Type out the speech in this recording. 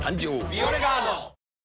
「ビオレガード」！